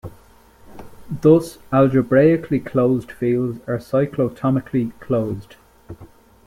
Thus algebraically closed fields are cyclotomically closed.